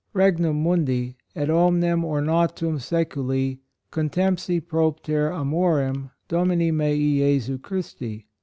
Begnum mundi et omnem ornatum seculi con temp si propter amor em Domini mei Jesu Christi."